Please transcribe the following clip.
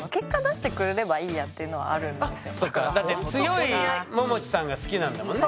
まあでもだって強いももちさんが好きなんだもんね。